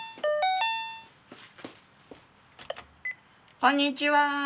こんにちは。